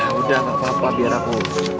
udah gak apa apa biar aku